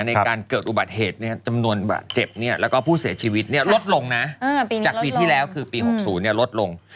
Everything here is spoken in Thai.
ในการเกิดอุบัติเหตุเนี่ยจำนวนเจ็บเนี่ยแล้วก็ผู้เสียชีวิตเนี่ยลดลงนะจากปีที่แล้วคือปี๖๐เนี่ยลดลง